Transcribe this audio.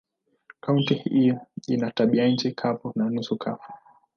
Kaunti hii ina tabianchi kavu na nusu kavu.